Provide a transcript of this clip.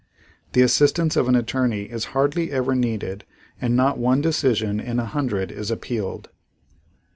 The assistance of an attorney is hardly ever needed and not one decision in a hundred is appealed.